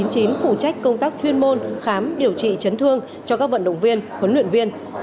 phụ trách công tác chuyên môn khám điều trị chấn thương cho các vận động viên huấn luyện viên